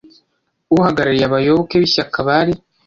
Uhagarariye abayoboke b Ishyaka bari